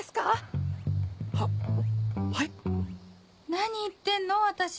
何言ってんの私